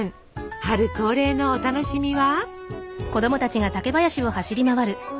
春恒例のお楽しみは？